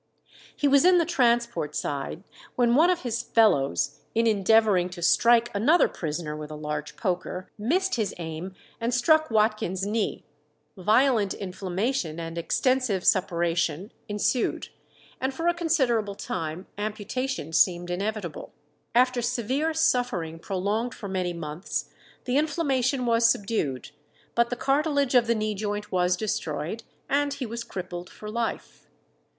He was in the transport side, when one of his fellows, in endeavouring to strike another prisoner with a large poker, missed his aim, and struck Watkins' knee.... Violent inflammation and extensive suppuration ensued, and for a considerable time amputation seemed inevitable. After severe suffering prolonged for many months, the inflammation was subdued, but the cartilage of the knee joint was destroyed, and he was crippled for life.